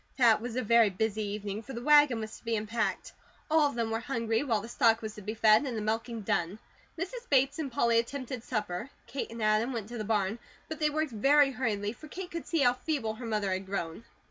That was a very busy evening, for the wagon was to be unpacked; all of them were hungry, while the stock was to be fed, and the milking done. Mrs. Bates and Polly attempted supper; Kate and Adam went to the barn; but they worked very hurriedly, for Kate could see how feeble her mother had grown.